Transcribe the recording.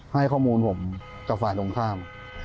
ให้ข้อมูลผมกับฝ่ายตรงข้าม